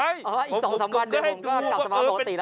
อีก๒๓วันเดี๋ยวผมก็กลับสมาบรโตติ